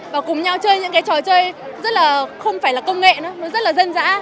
và cùng nhau chơi những trò chơi rất là không phải là công nghệ nó rất là dân dã